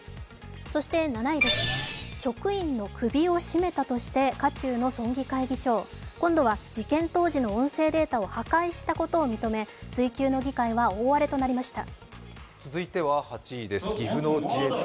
そして７位です、職員の首を絞めたとして渦中の村議会議長、今度は事件当時の音声データを破壊したことを認め、追及の議会は大荒れとなりました。